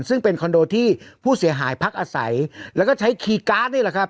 ซึ่งเป็นคอนโดที่ผู้เสียหายพักอาศัยแล้วก็ใช้คีย์การ์ดนี่แหละครับ